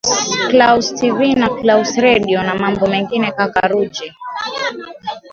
claus tv na claus redio na mambo mengine kaka ruge